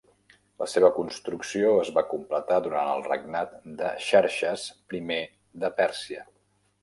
La seva construcció es va completar durant el regnat de Xerxes I de Pèrsia.